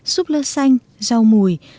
súp lơ xanh rau mùi